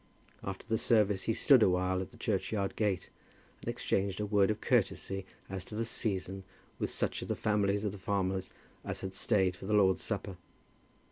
After the service he stood awhile at the churchyard gate, and exchanged a word of courtesy as to the season with such of the families of the farmers as had stayed for the Lord's supper.